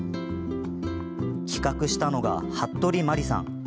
企画したのが服部真理さん。